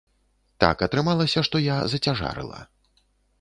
Так атрымалася, што я зацяжарыла.